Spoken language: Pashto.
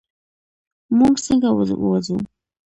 مونږ څنګه ووځو؟